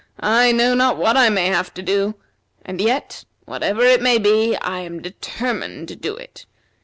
I know not what I may have to do. And yet, whatever it may be, I am determined to do it.